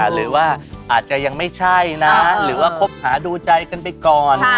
หรือว่าอาจจะยังไม่ใช่นะหรือว่าคบหาดูใจกันไปก่อน